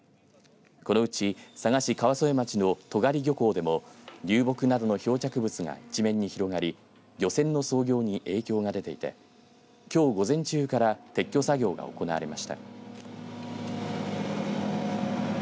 このうち佐賀市川副町の戸ヶ里漁港でも流木などの漂着物が一面に広がり漁船の操業に影響が出ていてきょう午前中から撤去作業が行われました。